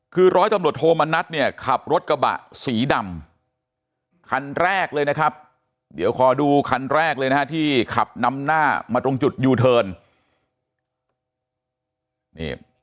คือร้อยตำรวจโทมณัฐเนี่ยขับรถกระบะสีดำคันแรกเลยนะครับเดี๋ยวขอดูคันแรกเลยนะฮะที่ขับนำหน้ามาตรงจุดยูเทิร์น